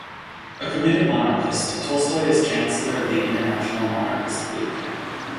A committed monarchist, Tolstoy is Chancellor of the International Monarchist League.